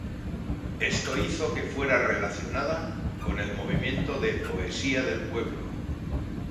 Esto hizo que fuera relacionada con el movimiento de "poesía del pueblo".